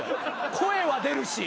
声は出るし。